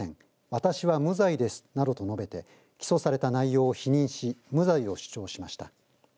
私は無罪ですなどと述べて起訴された内容否認し無罪を主張しました。